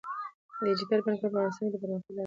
ډیجیټل بانکوالي په افغانستان کې د پرمختګ لاره ده.